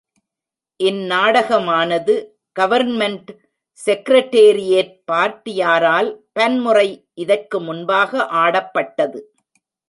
இந் நாடக மானது government secretariat பார்ட்டியாரால் பன்முறை இதற்கு முன்பாக ஆடப்பட்டது.